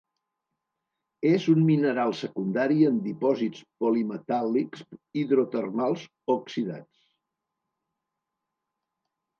És un mineral secundari en dipòsits polimetàl·lics hidrotermals oxidats.